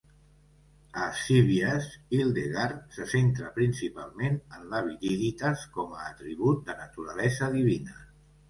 A "Scivias", Hildegard se centra principalment en la viriditas com a atribut de naturalesa divina.